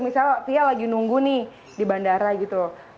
misalnya fia lagi nunggu nih di bandara gitu loh